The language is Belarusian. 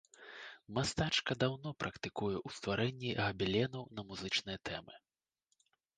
Мастачка даўно практыкуе ў стварэнні габеленаў на музычныя тэмы.